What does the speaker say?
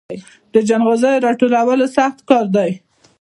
د جلغوزیو راټولول سخت کار دی